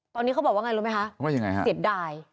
ตอนนี้เขาบอกว่าไงรู้ไหมคะเสียดาย